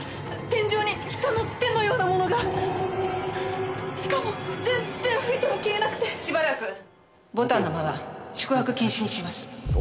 天井に人の手のようなものがしかも全然拭いても消えなくてしばらくにします